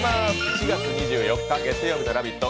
４月２４日月曜日の「ラヴィット！」